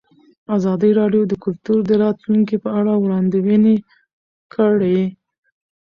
ازادي راډیو د کلتور د راتلونکې په اړه وړاندوینې کړې.